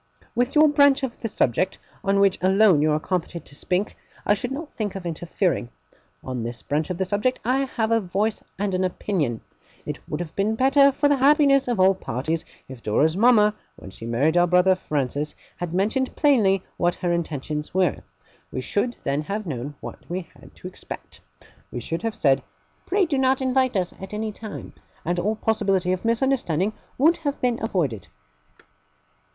With your branch of the subject, on which alone you are competent to speak, I should not think of interfering. On this branch of the subject I have a voice and an opinion. It would have been better for the happiness of all parties, if Dora's mama, when she married our brother Francis, had mentioned plainly what her intentions were. We should then have known what we had to expect. We should have said "Pray do not invite us, at any time"; and all possibility of misunderstanding would have been avoided.